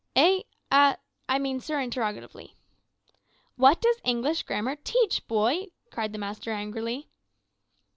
"`Eh? a I mean sir interrogatively.' "`What does English grammar teach, boy?' cried the master angrily.